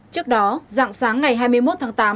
trước đó dạng sáng ngày hai mươi một tháng tám